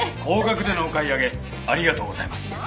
高額でのお買い上げありがとうございます。